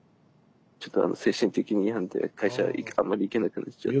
ちょっと精神的に病んで会社あんまり行けなくなっちゃって。